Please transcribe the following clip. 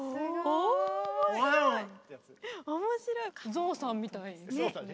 ゾウさんみたい。